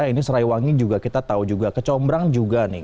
ini serai wangi juga kita tahu juga kecombrang juga nih